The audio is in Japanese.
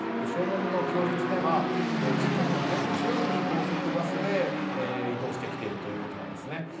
少年の供述では、事件の前日夜に高速バスで移動してきているということなんですね。